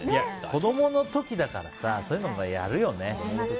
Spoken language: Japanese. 子供の時だからさそういうの、やるよね。